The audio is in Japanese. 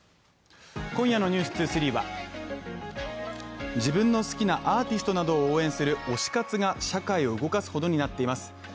今夜の「ｎｅｗｓ２３」は自分の好きなアーティストなどを応援する推し活が社会を動かすほどになっています。